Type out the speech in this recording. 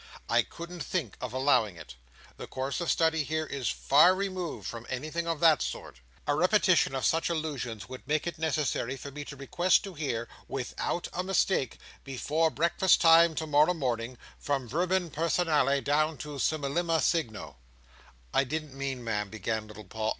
"I couldn't think of allowing it. The course of study here, is very far removed from anything of that sort. A repetition of such allusions would make it necessary for me to request to hear, without a mistake, before breakfast time to morrow morning, from Verbum personale down to simillimia cygno." "I didn't mean, Ma'am—" began little Paul.